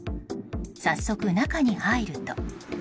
早速、中に入ると。